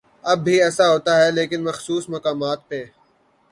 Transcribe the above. اب بھی ایسا ہوتا ہے لیکن مخصوص مقامات پہ۔